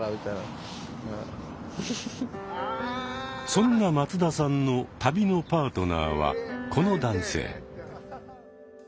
そんな松田さんの旅のパートナーはこの男性。